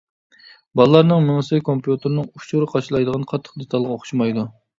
بالىلارنىڭ مېڭىسى كومپيۇتېرىنىڭ ئۇچۇر قاچىلايدىغان قاتتىق دېتالغا ئوخشىمايدۇ.